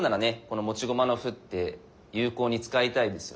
この持ち駒の歩って有効に使いたいですよね。